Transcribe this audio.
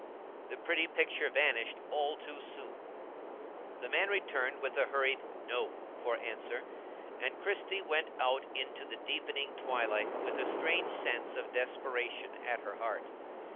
The pretty picture vanished all too soon; the man returned with a hurried "No" for answer, and Christie went out into the deepening twilight with a strange sense of desperation at her heart.